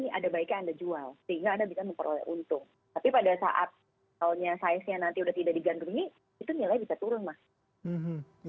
tapi pada saat kalau size nya nanti sudah tidak digandrungi itu nilai bisa turun mas